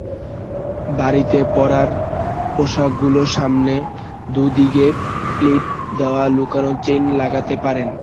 বাড়িতে পরার পোশাকগুলোর সামনে দুই দিকে প্লিট দেওয়া লুকানো চেইন লাগাতে পারেন।